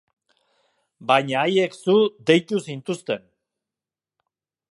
Baina haiek zu deitu zintuzten.